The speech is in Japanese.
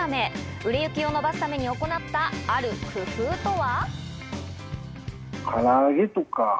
売れ行きを伸ばすために行ったある工夫とは？